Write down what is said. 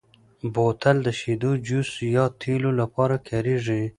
بوتل د شیدو، جوس، یا تېلو لپاره کارېږي.